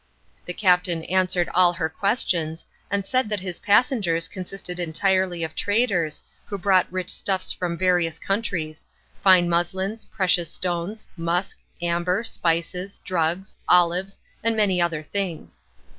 The captain answered all her questions, and said that his passengers consisted entirely of traders who brought rich stuffs from various countries, fine muslins, precious stones, musk, amber, spices, drugs, olives, and many other things.